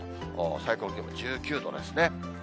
最高気温が１９度ですね。